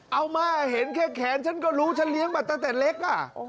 เอามาเห็นแค่แขนฉันก็รู้ฉันเลี้ยงมาตั้งแต่เล็ก